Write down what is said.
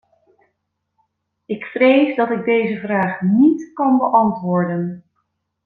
Ik vrees dat ik deze vraag niet kan beantwoorden.